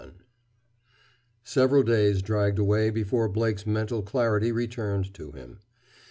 XXI Several days dragged away before Blake's mental clarity returned to him.